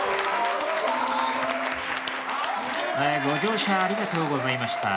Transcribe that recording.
ご乗車ありがとうございました。